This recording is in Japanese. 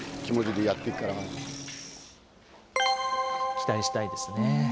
期待したいですね。